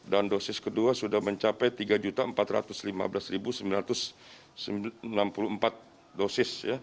dan dosis kedua sudah mencapai tiga empat ratus lima belas sembilan ratus enam puluh empat dosis